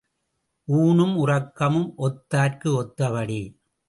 ஊணும் உறக்கமும் ஒத்தார்க்கு ஒத்த படி.